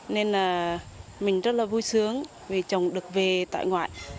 nên là mình rất là vui sướng vì chồng được về tại ngoại